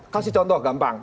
kasih contoh gampang